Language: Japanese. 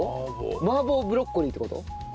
麻婆ブロッコリーって事？